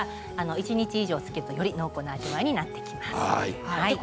一日以上漬けると、より濃厚な味わいになります。